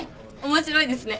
面白いですね。